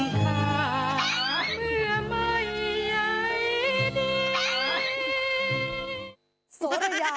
มันโดนหรือยังมันโดนหรือยัง